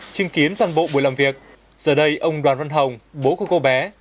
chứng kiến toàn bộ buổi làm việc giờ đây ông đoàn văn hồng bố của cô bé